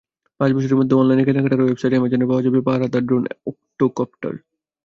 পাঁচ বছরের মধ্যে অনলাইনে কেনাকাটার ওয়েবসাইট অ্যামাজনে পাওয়া যাবে পাহারাদার ড্রোন অক্টোকপ্টার।